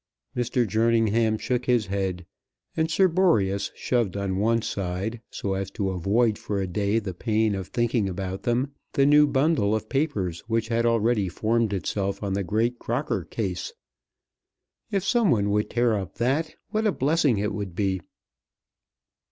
Mr. Jerningham shook his head, and Sir Boreas shoved on one side, so as to avoid for a day the pain of thinking about them, the new bundle of papers which had already formed itself on the great Crocker case. If some one would tear up that, what a blessing it would be!